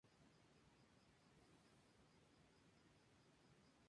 Una vez salvados los dos militares son trasladados a Galicia para su posterior rehabilitación.